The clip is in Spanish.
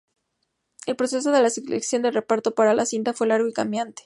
El proceso de la selección del reparto para la cinta fue largo y cambiante.